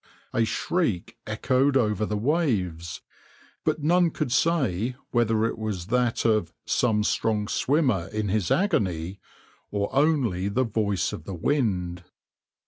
A shriek echoed over the waves, but none could say whether it was that of "some strong swimmer in his agony," or only the voice of the wind.